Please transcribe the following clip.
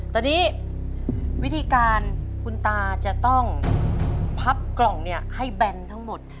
ตอนนี้วิธีการคุณตาจะต้องพับกล่องเนี่ยให้แบนทั้งหมด